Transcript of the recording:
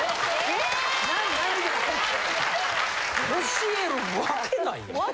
教えるわけないやん。